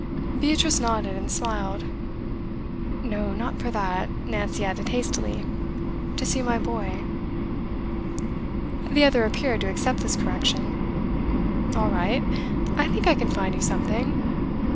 Beatrice nodded and smiled. 'No, not for that,' Nancy added hastily. 'To see my boy.' The other appeared to accept this correction. 'All right. I think I can find you something.